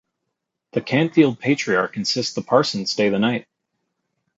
The Canfield patriarch insists the parson stay the night.